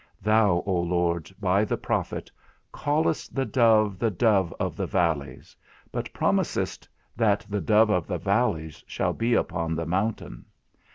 Thou, O Lord, by the prophet, callest the dove the dove of the valleys, but promisest that the dove of the valleys shall be upon the mountain.